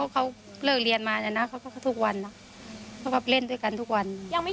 เขาเลิกเรียนมาแล้วนะทุกวันเขาก็เล่นด้วยกันทุกวัน